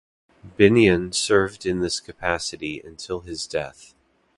Bennion served in this capacity until his death.